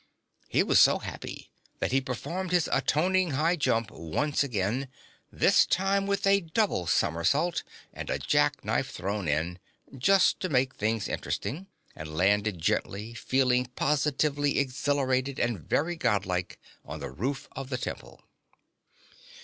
He was so happy that he performed his atoning high jump once again, this time with a double somersault and a jack knife thrown in, just to make things interesting, and landed gently, feeling positively exhilarated and very Godlike, on the roof of the Temple.